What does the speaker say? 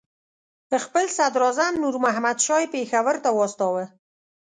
خپل صدراعظم نور محمد شاه یې پېښور ته واستاوه.